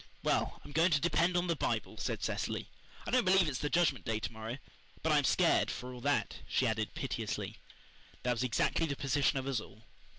"Well, I'm going to depend on the Bible," said Cecily. "I don't believe it's the Judgment Day to morrow but I'm scared, for all that," she added piteously. That was exactly the position of us all.